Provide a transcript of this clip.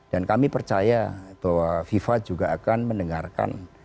dan kami percaya bahwa viva juga akan mendengarkan